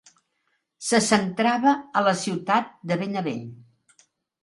Se centrava a la ciutat de Benevent.